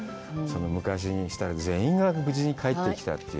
昔にしたら、全員が無事に帰ってきたという。